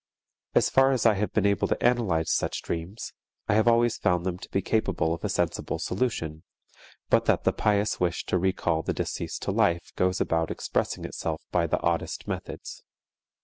As far as I have been able to analyze such dreams, I have always found them to be capable of a sensible solution, but that the pious wish to recall the deceased to life goes about expressing itself by the oddest methods.